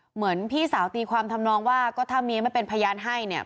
เหมือนพี่สาวตีความทำนองว่าก็ถ้าเมียไม่เป็นพยานให้เนี่ย